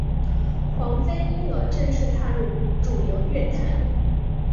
黄妃因而正式踏入主流乐坛。